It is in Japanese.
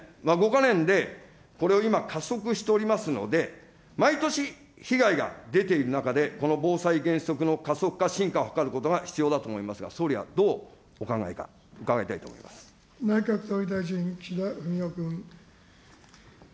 ５か年でこれを今、加速しておりますので、毎年、被害が出ている中で、この防災・減災の加速化、進化を図ることが必要だと思いますが、総理はどうお考えか、伺い内閣総理大臣、岸田文雄君。